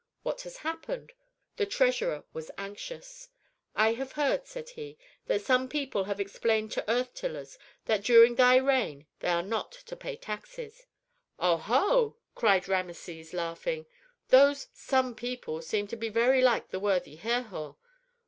"What has happened?" The treasurer was anxious. "I have heard," said he, "that some people have explained to earth tillers that during thy reign they are not to pay taxes." "Oh! ho!" cried Rameses, laughing. "Those 'some people' seem to me very like the worthy Herhor.